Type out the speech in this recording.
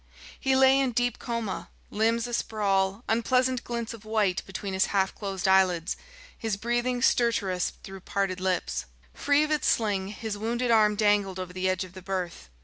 He lay in deep coma, limbs a sprawl, unpleasant glints of white between his half closed eyelids, his breathing stertorous through parted lips. Free of its sling, his wounded arm dangled over the edge of the berth.